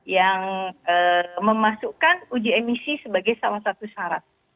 yang memasukkan uji emisi sebagai salah satu syarat